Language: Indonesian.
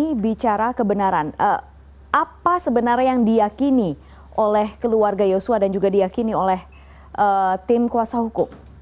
ini bicara kebenaran apa sebenarnya yang diakini oleh keluarga yosua dan juga diakini oleh tim kuasa hukum